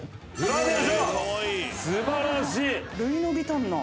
素晴らしい！